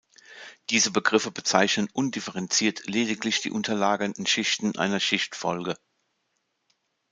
Diese Begriffe bezeichnen undifferenziert lediglich die unterlagernden Schichten einer Schichtfolge.